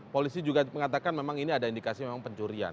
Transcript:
polisi juga mengatakan memang ini ada indikasi memang pencurian